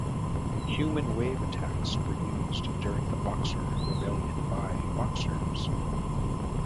Human wave attacks were used during the Boxer rebellion by Boxers.